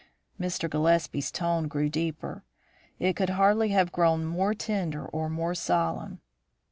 Mr. Gillespie's tone grew deeper; it could hardly have grown more tender or more solemn.